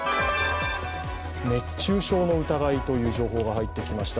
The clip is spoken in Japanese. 熱中症の疑いという情報が入ってきました。